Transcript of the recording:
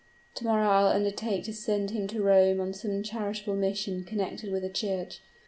To morrow I will undertake to send him to Rome on some charitable mission connected with the church.